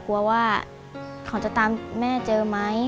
กลัวว่าเขาจะตามแม่เจอไหม